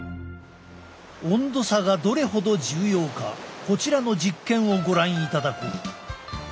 温度差がどれほど重要かこちらの実験をご覧いただこう。